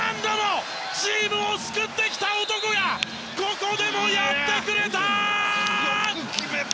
チームを救ってきた男がここでもやってくれた！